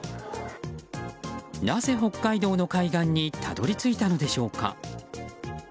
なぜ北海道の海岸にたどり着いたのでしょうか。